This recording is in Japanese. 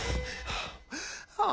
ああ！